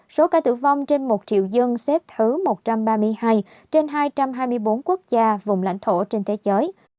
số ca tử vong trên một triệu dân xếp thứ một trăm ba mươi hai trên hai trăm hai mươi bốn quốc gia vùng lãnh thổ trên thế giới